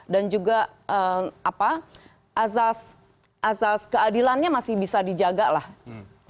dan juga apa azas keadilannya masih bisa dijaga lah ya